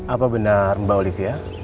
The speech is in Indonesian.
apa benar mbak olivia